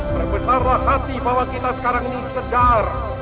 berbenarlah hati bahwa kita sekarang ini segar